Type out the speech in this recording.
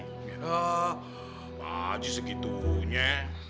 eh pak haji segitunya